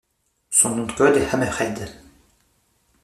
Son nom de code est Hammerhead.